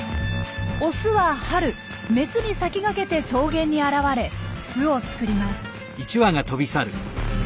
オスは春メスに先駆けて草原に現れ巣を作ります。